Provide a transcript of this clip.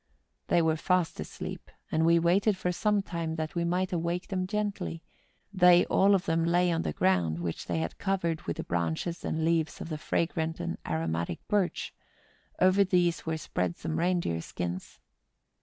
They were fast asleep, and we waited for some time that we might awake them gently: they all of them lay on the ground, which they had covered with the branches and leaves of the fragrant and aromatic birch; over these were spread some rein deer skins.